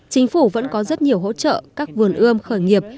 chính phủ vẫn có rất nhiều hỗ trợ các vườn ươm khởi nghiệp